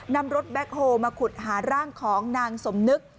นำรถแบ็คโฮลมาขุดหาร่างของนางสมนึก